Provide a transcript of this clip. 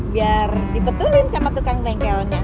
biar dibetulin sama tukang bengkelnya